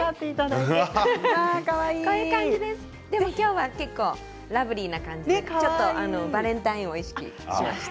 今日はラブリーな感じでちょっとバレンタインを意識しました。